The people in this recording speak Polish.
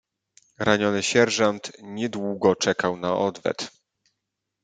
"Raniony sierżant niedługo czekał na odwet."